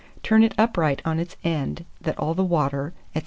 Turn it upright on its end, that all the water, &c.